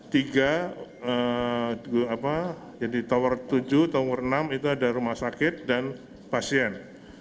tiga apa jadi tower tujuh tower enam itu ada rumah sakit dan pasien